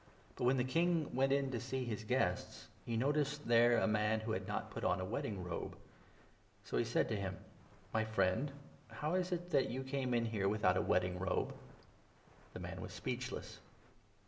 But, when the king went 1 1 in to see his guests, he noticed there a man who had not put on a wedding robe. So he said to him ' My friend, how is it 12 that you came in here without a wedding robe ?' The man was speechless.